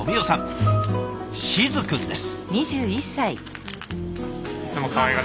静くんです。